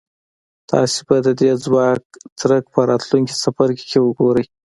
تاسې به د دې ځواک څرک په راتلونکي څپرکي کې وګورئ.